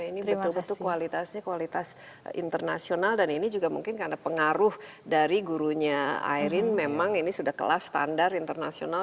ini betul betul kualitasnya kualitas internasional dan ini juga mungkin karena pengaruh dari gurunya ayrin memang ini sudah kelas standar internasional